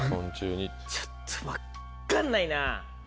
ちょっと分っかんないな！